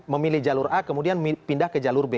memilih jalur a kemudian pindah ke jalur b